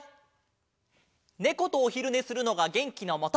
ネコとおひるねするのがげんきのもと！